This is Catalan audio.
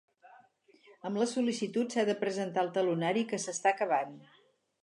Amb la sol·licitud s'ha de presentar el talonari que s'està acabant.